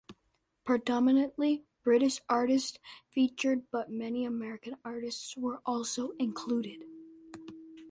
Predominantly British artists featured, but many American artists were also included.